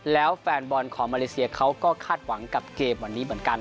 แล้วแฟนบอลของมาเลเซียเขาก็คาดหวังกับเกมวันนี้เหมือนกัน